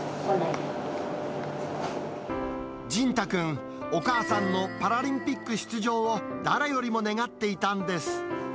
じんた君、お母さんのパラリンピック出場を誰よりも願っていたんです。